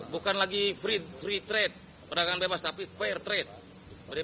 bukan lagi free trade perdagangan bebas tapi fair trade